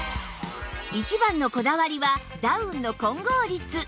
一番のこだわりはダウンの混合率！